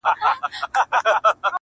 • ژوند ټوله پند دی؛